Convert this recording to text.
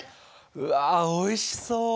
うわおいしそう！